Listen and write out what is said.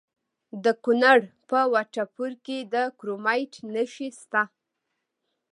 د کونړ په وټه پور کې د کرومایټ نښې شته.